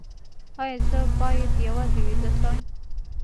ایا زه باید یوازې ویده شم؟